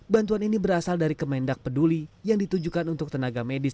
bantuan ini berasal dari kemendak peduli yang ditujukan untuk tenaga medis